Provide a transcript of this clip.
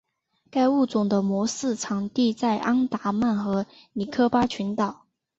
该物种的模式产地在安达曼和尼科巴群岛。